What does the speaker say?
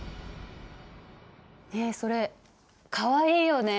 ねえそれかわいいよね。